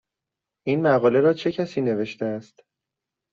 این مقاله را چه کسی نوشته است؟